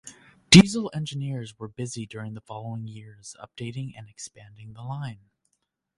Diesel engineers were busy during the following years updating and expanding the line.